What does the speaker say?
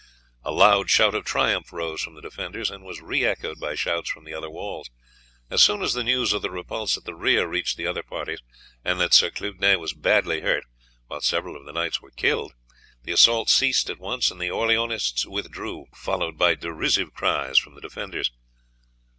A loud shout of triumph rose from the defenders, and was re echoed by shouts from the other walls. As soon as the news of the repulse at the rear reached the other parties, and that Sir Clugnet was badly hurt, while several of the knights were killed, the assault ceased at once, and the Orleanists withdrew, followed by derisive cries from the defenders.